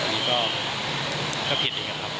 อันนี้ก็ผิดนะครับ